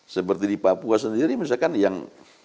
seperti di papua sendiri misalkan yang